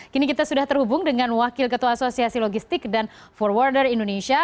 kini kita sudah terhubung dengan wakil ketua asosiasi logistik dan forwarder indonesia